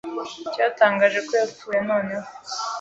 cyatangaje ko yapfuye noneho